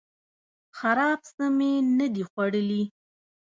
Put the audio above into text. خراب څه می نه دي خوړلي